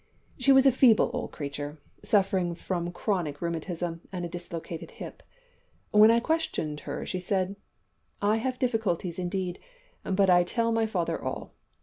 She was a feeble old creature, suffering from chronic rheumatism and a dislocated hip. When I questioned her she said `I have difficulties indeed, but I tell my Father all.